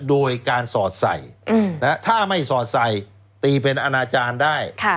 โดยการสอดใส่ถ้าไม่สอดใส่ตีเป็นอนาจารย์ได้